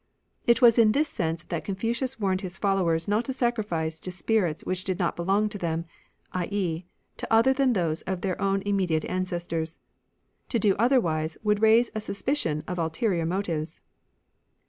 It was in this sense that Con fucius warned his followers not to sacrifice to spirits which did not belong to them, i.e. to other than those of their own immediate ancestors. To do otherwise would raise a suspicion of ulterior motives.